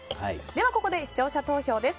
ここで視聴者投票です。